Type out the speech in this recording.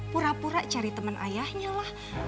pura pura cari teman ayahnya lah